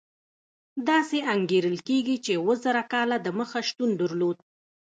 داسې انګېرل کېږي چې اوه زره کاله دمخه شتون درلود.